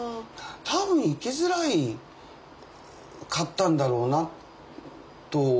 多分生きづらかったんだろうなとは思うんですよ。